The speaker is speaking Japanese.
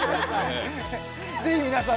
ぜひ皆さん